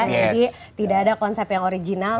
jadi tidak ada konsep yang original